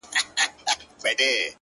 • ملا دي وینم چی کږه ده له بارونو ,